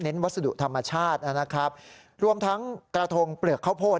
วัสดุธรรมชาตินะครับรวมทั้งกระทงเปลือกข้าวโพด